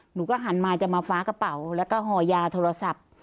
หนูก็หันมาจะมาฟ้ากระเป๋าแล้วก็ห่อยาโทรศัพท์